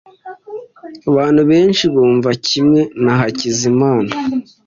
Abantu benshi bumva kimwe na Hakizimana .